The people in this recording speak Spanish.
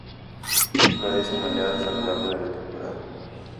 Florece en oleadas a lo largo de la temporada.